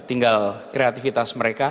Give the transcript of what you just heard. tinggal kreatifitas mereka